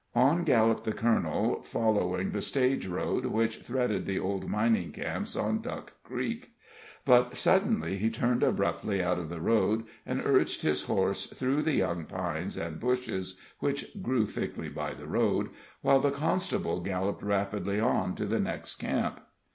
On galloped the colonel, following the stage road, which threaded the old mining camps on Duck Creek; but suddenly he turned abruptly out of the road, and urged his horse through the young pines and bushes, which grew thickly by the road, while the constable galloped rapidly on to the next camp.